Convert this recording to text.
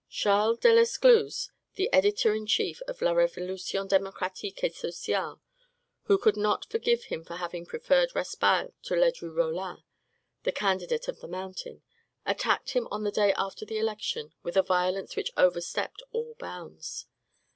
Charles Delescluze, the editor in chief of "La Revolution Democratique et Sociale," who could not forgive him for having preferred Raspail to Ledru Rollin, the candidate of the Mountain, attacked him on the day after the election with a violence which overstepped all bounds.